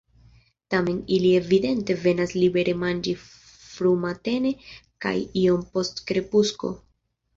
Tamen ili evidente venas libere manĝi frumatene kaj iom post krepusko.